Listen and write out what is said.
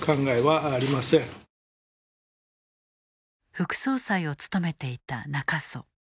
副総裁を務めていた中曽。